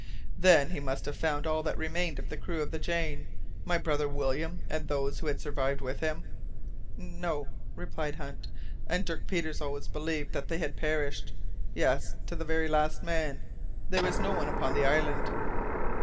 "Then he must have found all that remained of the crew of the Jane my brother William and those who had survived with him?" "No," replied Hunt; "and Dirk Peters always believed that they had perished yes, to the very last man. There was no one upon the island."